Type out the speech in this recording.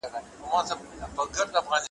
قصیده چي مي لیکل پر انارګلو ,